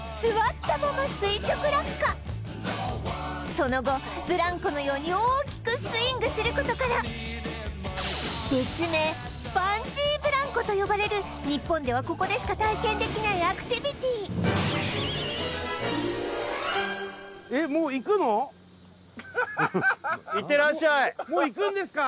その後ブランコのように大きくスイングすることからと呼ばれる日本ではここでしか体験できないアクティビティえっハハハハハいってらっしゃいもういくんですか？